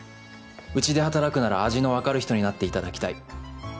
うちで働くなら味の分かる人になっていただきたい。